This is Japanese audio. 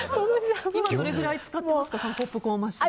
今どのくらい使ってますか？